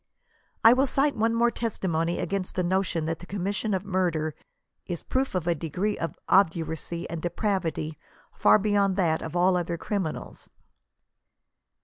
I will cite one more testimony against the notion that the commission of murder is proof of a degree of obduracy and der pravity far beyond that of all other criminals.